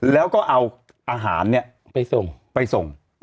แล้วก็เอาอาหารไปส่ง